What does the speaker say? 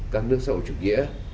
các nước sâu chủ nghĩa